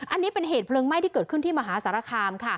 อันนี้เป็นเหตุเพลิงไหม้ที่เกิดขึ้นที่มหาสารคามค่ะ